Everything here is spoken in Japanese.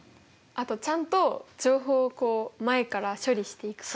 あとちゃんと情報をこう前から処理していくこと。